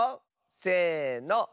せの。